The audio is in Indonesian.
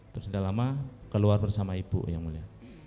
terus sudah lama keluar bersama ibu yang mulia